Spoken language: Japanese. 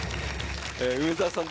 梅澤さん